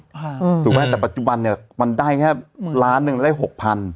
ถูกไหมแต่ปัจจุบันเนี่ยมันได้แค่ล้านหนึ่งได้หกพัน